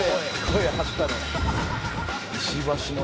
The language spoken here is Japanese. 「石橋の」